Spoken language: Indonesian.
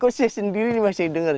kok saya sendiri nih mas saya dengar